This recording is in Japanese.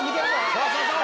そうそうそう！